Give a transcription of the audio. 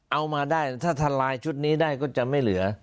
เอามาได้ถ้าทลายชุดนี้ได้ก็จะไม่เหลือ